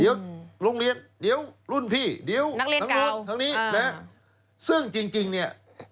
เดี๋ยวโรงเรียนเดี๋ยวรุ่นพี่เดี๋ยวนักเรียนเก่าทั้งนี้